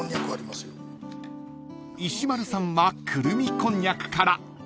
［石丸さんはくるみこんにゃくから］